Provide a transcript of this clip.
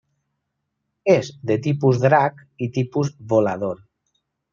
És de tipus drac i tipus volador.